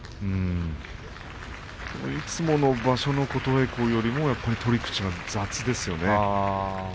いつもの場所の琴恵光よりも取り口が雑ですよね。